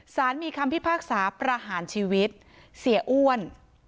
สารมีคำพิพากษาประหารชีวิตเสียอ้วน